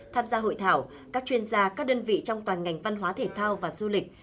tham gia hội thảo các chuyên gia các đơn vị trong toàn ngành văn hóa thể thao và du lịch